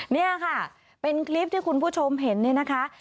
นี่ค่ะเป็นคลิปที่คุณผู้ชมเห็นเนี่ยนะคะ